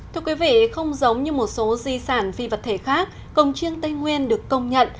thưa quý vị không giống như một số di sản phi vật thể khác cổng chiêng tây nguyên được công nhận